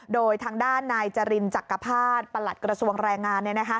โดยทางด้านนายจรินจักรภาษณประหลัดกระทรวงแรงงาน